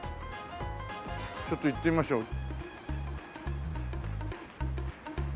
ちょっと行ってみましょう。